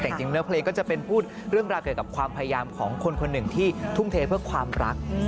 แต่จริงเนื้อเพลงก็จะเป็นพูดเรื่องราวเกี่ยวกับความพยายามของคนคนหนึ่งที่ทุ่มเทเพื่อความรัก